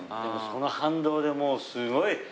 その反動でもうすごい。